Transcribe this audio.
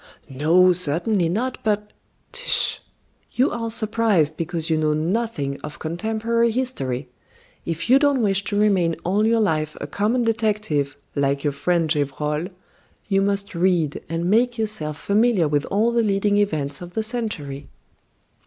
"No, certainly not, but " "Tush! You are surprised because you know nothing of contemporary history. If you don't wish to remain all your life a common detective, like your friend Gevrol, you must read, and make yourself familiar with all the leading events of the century."